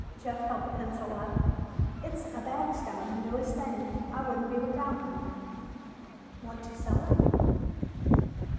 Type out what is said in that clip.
Jeff held the pencil up. "It's a Bagstone, the newest thing. I wouldn't be without one." "Want to sell it?"